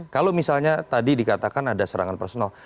kalau misalnya tadi dikatakan ada serangan personal